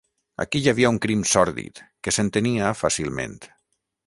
Aquí hi havia un crim sòrdid, que s'entenia fàcilment.